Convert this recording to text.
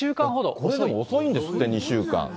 これでも遅いんですって、２週間。